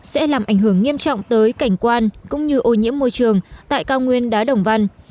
sẽ làm ảnh hưởng nghiêm trọng tới cảnh quan cũng như ô nhiễm môi trường tại cao nguyên đá đồng văn